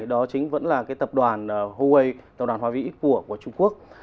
đó chính vẫn là cái tập đoàn huawei tập đoàn huawei của trung quốc